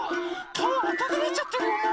かおあかくなっちゃってるよ